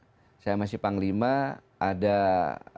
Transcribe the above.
kemudian pada tanggal lima saya masih panglima ada rapat sedang kabinet